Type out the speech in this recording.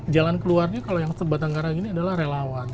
jalan keluarnya kalau yang batangkara ini adalah relawan